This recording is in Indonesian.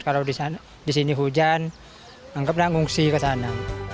kalau di sini hujan anggap lah ngungsi ke sana